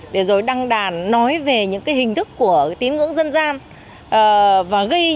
để rồi đăng đàn nói về những cái hình thức của tín ngưỡng dân gian